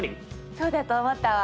そうだと思ったわ。